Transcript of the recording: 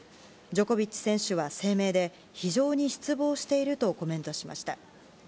ジョコビッチ選手は声明で非常に失望しているとコメントしました。